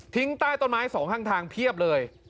ใต้ต้นไม้สองข้างทางเพียบเลย